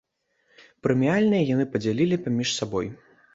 Прэміяльныя яны падзялілі паміж сабой.